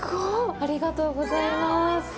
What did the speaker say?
ありがとうございます。